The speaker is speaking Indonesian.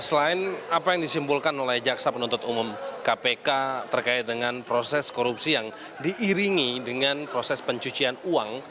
selain apa yang disimpulkan oleh jaksa penuntut umum kpk terkait dengan proses korupsi yang diiringi dengan proses pencucian uang